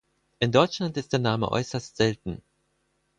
In Deutschland ist der Name äußerst selten.